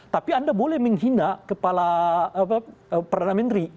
tapi anda boleh menghina kepala perdana menteri